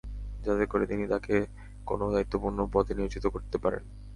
যাতে করে তিনি তাঁকে কোন দায়িত্বপূর্ণ পদে নিয়োজিত করতে পারেন।